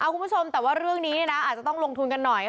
คุณผู้ชมแต่ว่าเรื่องนี้อาจจะต้องลงทุนกันหน่อย